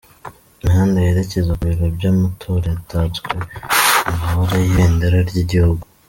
Imihanda yerekeza ku biro by'amatora yatatswe amabara y'ibendera ry'igihugu.